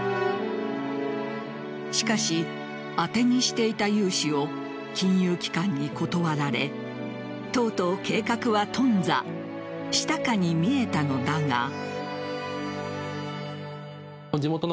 しかし、当てにしていた融資を金融機関に断られとうとう計画は頓挫したかに見えたのだが。